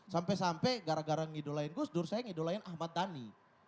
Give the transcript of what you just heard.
sampai sampai gara gara ngidolain gus dur saya ngidolain ahmad dhani